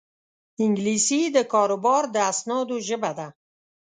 انګلیسي د کاروبار د اسنادو ژبه ده